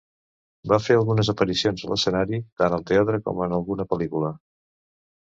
Va fer algunes aparicions a l'escenari, tant al teatre com en alguna pel·lícula.